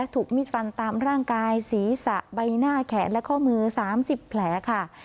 ถูกมีดฟันตามร่างกายศีรษะใบหน้าแขนและข้อมือ๓๐แผลค่ะ